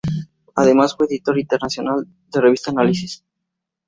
Además, fue editor internacional de la revista "Análisis".